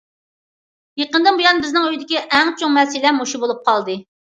يېقىندىن بۇيان بىزنىڭ ئۆيدىكى ئەڭ چوڭ مەسىلە مۇشۇ بولۇپ قالدى.